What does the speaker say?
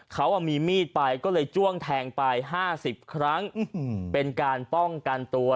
เขามีมีดไปก็เลยจ้วงแทงไป๕๐ครั้งเป็นการป้องกันตัว